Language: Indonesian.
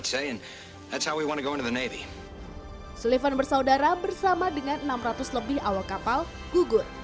sulvan bersaudara bersama dengan enam ratus lebih awak kapal gugur